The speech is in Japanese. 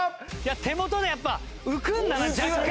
手元でやっぱ浮くんだな若干。